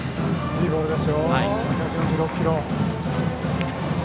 いいボールです。